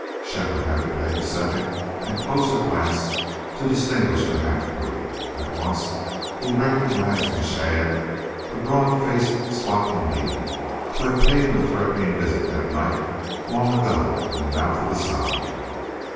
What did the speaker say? Shefford had to take a second and closer glance to distinguish the half breed. At once he recognized in Shadd the broad faced squat Indian who had paid him a threatening visit that night long ago in the mouth of the Sagi.